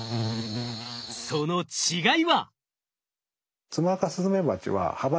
その違いは。